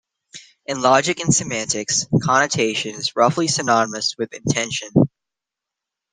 In logic and semantics, "connotation" is roughly synonymous with "intension".